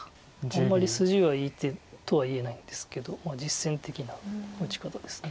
あんまり筋がいい手とは言えないんですけど実戦的な打ち方です。